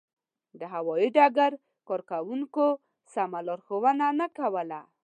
د هوایي ډګر کارکوونکو سمه لارښوونه نه کوله.